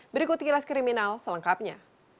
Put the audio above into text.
berikut klas kriminal selengkapnya